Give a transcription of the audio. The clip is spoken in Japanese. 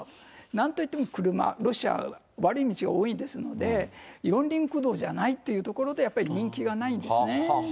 なんといっても車、ロシアは悪い道が多いですので、四輪駆動じゃないっていうところで、やっぱり人気がないんですね。